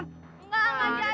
enggak enggak jadi